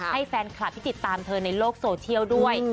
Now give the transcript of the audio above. ให้แฟนคลับที่ติดตามเธอในโลกโซเชียลด้วย